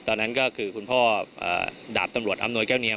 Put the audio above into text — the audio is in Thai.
ตอนนั้นก็คือคุณพ่อดาบตำรวจอำนวยแก้วเนียม